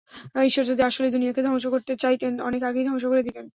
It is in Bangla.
ঈশ্বর যদি আসলেই দুনিয়াকে ধ্বংস করতে চাইতেন, অনেক আগেই ধ্বংস করে দিতেন।